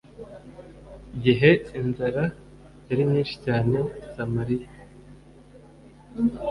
gihe inzara yari nyinshi cyane i samariya